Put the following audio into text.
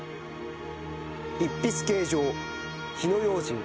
「一筆啓上火の用心